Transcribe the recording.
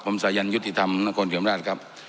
ผมสายันยุติธรรมนครเฉียมราชครับ